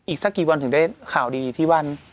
อีกสักกี่วันถึงได้ข่าวดีที่บ้าน